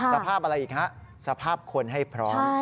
สภาพอะไรอีกฮะสภาพคนให้พร้อม